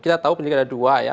kita tahu penyidik ada dua ya